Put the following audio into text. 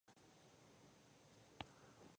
مبتداء هغه ده، چي موږ ته معلومات راکوي.